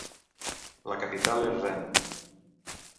La capital és Rennes.